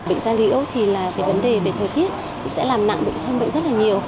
bệnh da liễu thì là cái vấn đề về thời tiết cũng sẽ làm nặng bệnh hơn bệnh rất là nhiều